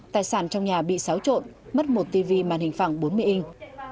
tài sản trong nhà bị xáo trộn mất một tv màn hình phẳng bốn mươi in